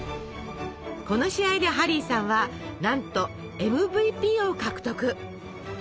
この試合でハリーさんはなんとＭＶＰを獲得！